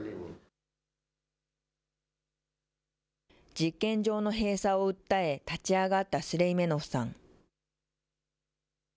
実験場の閉鎖を訴え、立ち上がったスレイメノフさん。